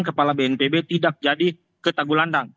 kepala bntb tidak jadi ke tagulandang